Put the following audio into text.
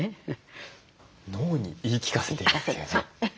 脳に言い聞かせているというね。